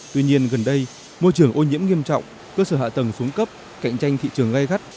tuy nhiên gần đây môi trường ô nhiễm nghiêm trọng cơ sở hạ tầng xuống cấp cạnh tranh thị trường gai gắt